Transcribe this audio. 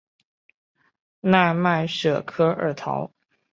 奈迈什科尔陶。